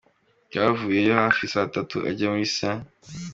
Twavuyeyo hafi saa tatu, ajya muri St.